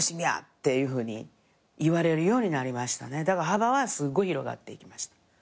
幅はすごい広がっていきました。